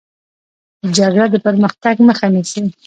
جګړه د پرمختګ مخه نیسي